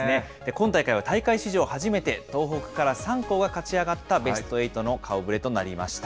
今大会は大会史上初めて、東北から３校が勝ち上がったベストエイトの顔ぶれとなりました。